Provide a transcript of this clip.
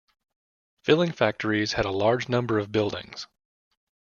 Filling factories had a large number of buildings.